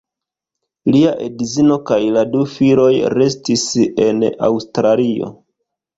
Lia edzino kaj la du filoj restis en Aŭstralio.